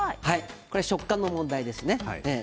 食感の問題ですね。